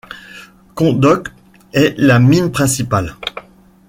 Komdok est la mine principale.